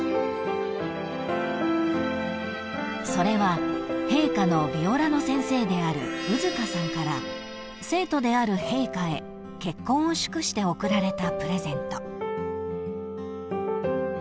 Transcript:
［それは陛下のビオラの先生である兎束さんから生徒である陛下へ結婚を祝して贈られたプレゼント］